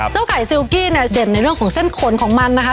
ไก่ซิลกี้เนี่ยเด่นในเรื่องของเส้นขนของมันนะคะ